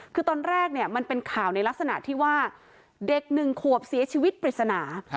คือตอนแรกเนี่ยมันเป็นข่าวในลักษณะที่ว่าเด็ก๑ขวบเสียชีวิตปริศนา